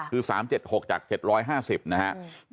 คือ๓๗๖จาก๗๕๐นะฮะ